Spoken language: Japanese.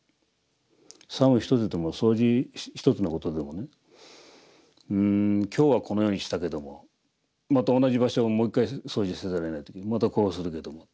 作務一つでも掃除一つのことでもね今日はこのようにしたけどもまた同じ場所をもう一回掃除せざるをえない時にまたこうするけども。